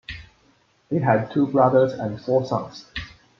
He had two brothers and four sons.